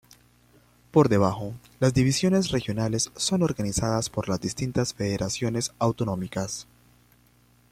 Por debajo, las divisiones regionales son organizadas por las distintas federaciones autonómicas.